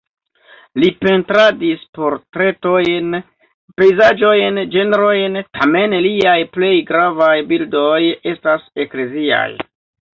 Li pentradis portretojn, pejzaĝojn, ĝenrojn, tamen liaj plej gravaj bildoj estas ekleziaj.